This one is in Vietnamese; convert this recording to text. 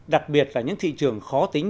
đặc biệt là những thị trường khó tính